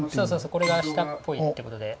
これが舌っぽいってことで。